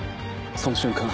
その瞬間